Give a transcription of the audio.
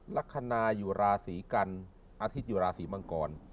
ลักษณะอยู่ราศีกันอาทิตย์อยู่ราศีมังกร